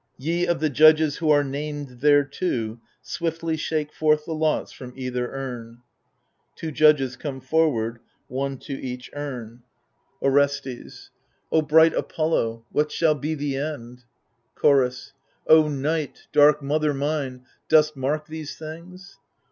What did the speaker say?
Ye of the judges who are named thereto. Swiftly shake forth the lots from either urn. [ Two judges come forward^ one to eack urn. 170 THE FURIES Orestes O bright Apollo, what shall be the end ? Chorus O Night, dark mother mine, dost mark these things